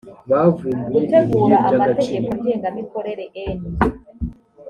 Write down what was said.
gutegura amategeko ngengamikorere n